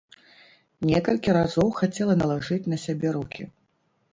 Некалькі разоў хацела налажыць на сябе рукі.